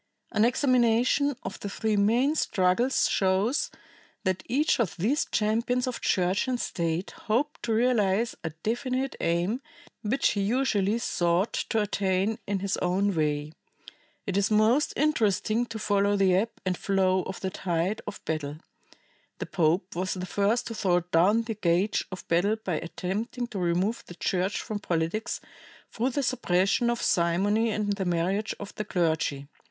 An examination of the three main struggles shows that each of these champions of Church and State hoped to realize a definite aim which he usually sought to attain in his own way. It is most interesting to follow the ebb and flow of the tide of battle. The pope was the first to throw down the gage of battle by attempting to remove the Church from politics through the suppression of simony and the marriage of the clergy.